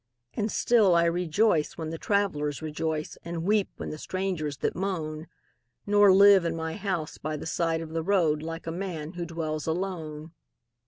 And still I rejoice when the travelers rejoice And weep with the strangers that moan, Nor live in my house by the side of the road Like a man who dwells alone.